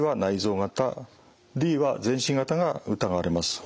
Ｄは全身型が疑われます。